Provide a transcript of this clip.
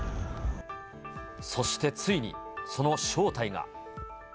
そしてついに、その正体が。